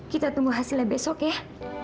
kita tunggu hasilnya besok ya